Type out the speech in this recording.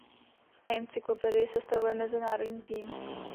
Encyklopedii sestavuje mezinárodní tým.